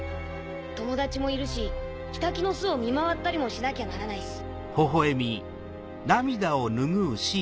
友達もいるしヒタキの巣を見回ったりもしなきゃならないし。